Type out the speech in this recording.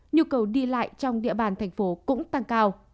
nhu cầu đi lại trong địa bàn thành phố cũng tăng cao